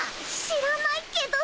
知らないけど。